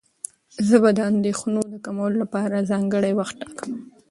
زه به د اندېښنو د کمولو لپاره ځانګړی وخت وټاکم.